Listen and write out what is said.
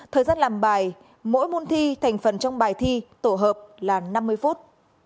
thời gian làm bài mỗi môn thi thành phần trong bài thi tổ hợp là năm mươi phút